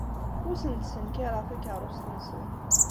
Ur asen-d-ssenkareɣ takeṛṛust-nsen.